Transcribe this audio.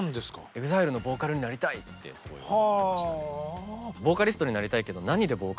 ＥＸＩＬＥのボーカルになりたいってすごい思ってました。